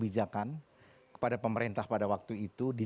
jangan menyiksa diri